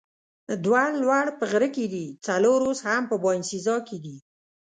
دوه لوړ په غره کې دي، څلور اوس هم په باینسیزا کې دي.